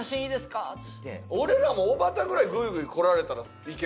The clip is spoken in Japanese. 俺らもおばたぐらいグイグイ来られたらいけるよな。